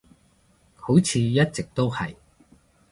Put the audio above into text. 好似一直都係